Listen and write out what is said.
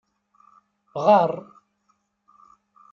Ɣaṛ!